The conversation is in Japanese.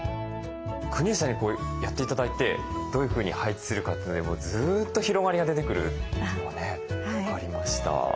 国吉さんにやって頂いてどういうふうに配置するかっていうのでもうずっと広がりが出てくるというのがね分かりました。